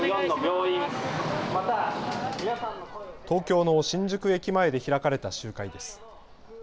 東京の新宿駅前で開かれた集会です。